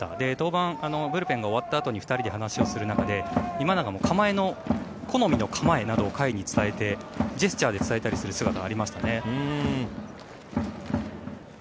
登板、ブルペンが終わったあとに２人で話をする中で今永の好みの構えなどを甲斐に伝えてジェスチャーで伝えたりする姿がありましたね。